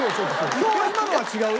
今日は今のは違うよ